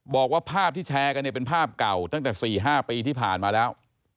บอกว่าภาพที่แชร์กันเนี่ยเป็นภาพเก่าตั้งแต่๔๕ปีที่ผ่านมาแล้ว